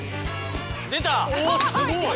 出た！